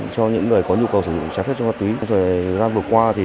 trong những ngày có nhu cầu sử dụng trái phép cho ma túy